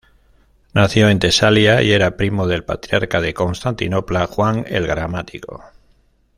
Nació en Tesalia y era primo del Patriarca de Constantinopla, Juan el Gramático.